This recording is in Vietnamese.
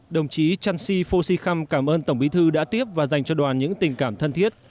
đồng chí chan si phô si khăm cảm ơn tổng bí thư đã tiếp và dành cho đoàn những tình cảm thân thiết